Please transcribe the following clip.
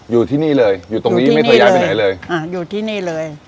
อยู่ที่นี่เลยอยู่ตรงนี้ไม่เคยย้ายไปไหนเลยอ่าอยู่ที่นี่เลย